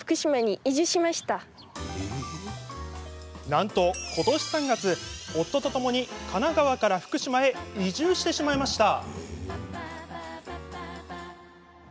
なんと、ことし３月夫とともに神奈川から福島へ移住してしまいました。